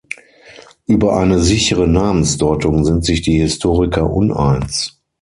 Über eine sichere Namensdeutung sind sich die Historiker uneins.